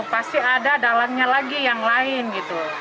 pasti ada dalangnya lagi yang lain gitu